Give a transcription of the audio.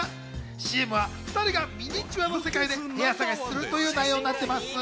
ＣＭは２人がミニチュアの世界で部屋探しをするという内容になっています。